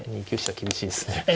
２九飛車厳しいですね。